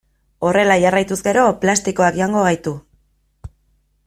Horrela jarraituz gero plastikoak jango gaitu.